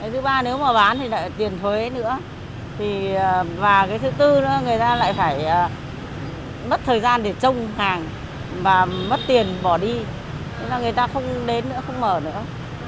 để trông hàng và mất tiền bỏ đi người ta không đến nữa không mở nữa